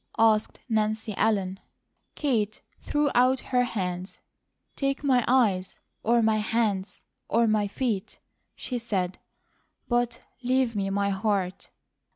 asked Nancy Ellen. Kate threw out her hands. "Take my eyes, or my hands, or my feet," she said; "but leave me my heart."